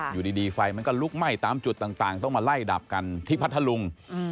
อยู่ดีไฟมันก็ลุกไหม้ตามจุดต่างต้องมาไล่ดับกันที่พัทธลุง